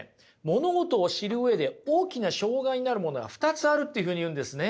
物事を知る上で大きな障害になるものが２つあるっていうふうに言うんですね。